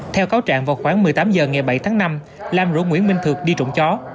theo cáo trạng vào khoảng một mươi tám h ngày bảy tháng năm lam rủ nguyễn minh thượng đi trộm chó